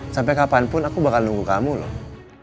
sampai kapanpun aku bakal nunggu kamu loh